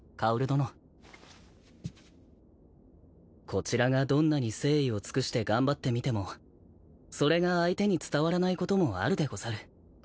こちらがどんなに誠意を尽くして頑張ってみてもそれが相手に伝わらないこともあるでござる。